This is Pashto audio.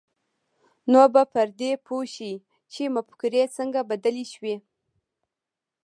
نو به پر دې پوه شئ چې مفکورې څنګه بدلې شوې